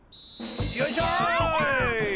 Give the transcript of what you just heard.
よいしょい！